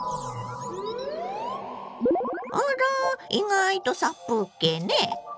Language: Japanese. あら意外と殺風景ね。